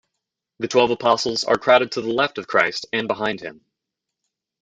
The Twelve Apostles are crowded to the left of Christ and behind him.